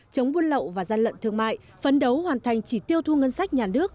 chống buôn lậu và gian lận thương mại phấn đấu hoàn thành chỉ tiêu thu ngân sách nhà nước